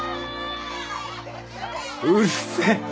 うるせえ。